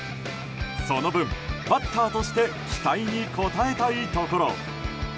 その分、バッターとして期待に応えたいところ。